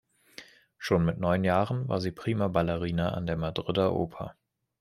Schon mit neun Jahren war sie Primaballerina an der Madrider Oper.